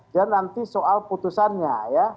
dan nanti soal putusannya